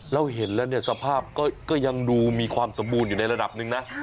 เราเห็นแล้วเนี่ยสภาพก็ยังดูมีความสมบูรณ์อยู่ในระดับหนึ่งนะ